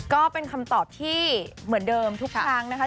ก็เป็นคำตอบที่เหมือนเดิมทุกครั้งนะคะ